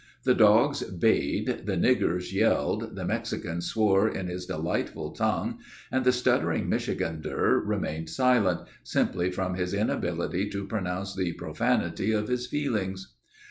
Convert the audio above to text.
The dogs bayed, the niggers yelled, the Mexican swore in his delightful tongue; and the stuttering Michigander remained silent, simply from his inability to pronounce the profanity of his feelings.